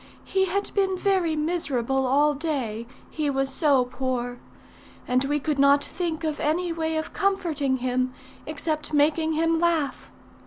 He had been very miserable all day, he was so poor; and we could not think of any way of comforting him except making him laugh.